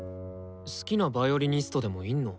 好きなヴァイオリニストでもいんの？